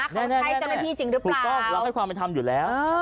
เขาใช้เจ้าหน้าที่จริงหรือเปล่าต้องเราให้ความเป็นธรรมอยู่แล้ว